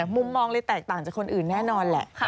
มุมมองเลยแตกต่างจากคนอื่นแน่นอนแหละ